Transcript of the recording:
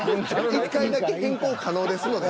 １回だけ変更可能ですので。